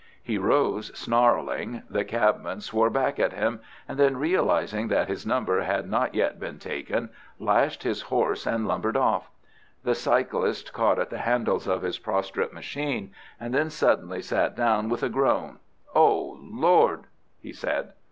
He rose, snarling; the cabman swore back at him, and then, realizing that his number had not yet been taken, lashed his horse and lumbered off. The cyclist caught at the handles of his prostrate machine, and then suddenly sat down with a groan. "Oh, Lord!" he said.